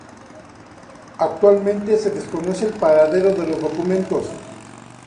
Actualmente se desconoce el paradero de los documentos.